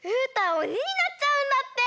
おにになっちゃうんだって！